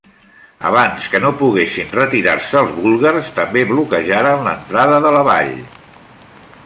Abans que no poguessin retirar-se, els búlgars també bloquejaren l'entrada de la vall.